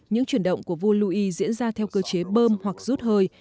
những chuyển động của vua louis diễn ra theo cơ chế bơm hoặc rút hơi